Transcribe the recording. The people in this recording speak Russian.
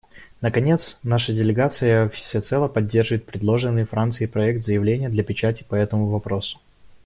Наконец, наша делегация всецело поддерживает предложенный Францией проект заявления для печати по этому вопросу.